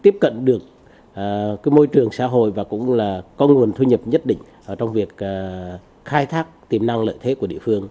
tiếp cận được môi trường xã hội và cũng là có nguồn thu nhập nhất định trong việc khai thác tiềm năng lợi thế của địa phương